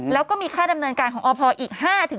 แล้วก็มีค่าดำเนินการของอพอีก๕